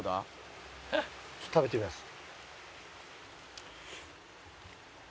ちょっと食べてみます。